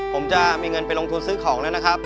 ผมจะมีเงินไปลงทุนซื้อของแล้วนะครับ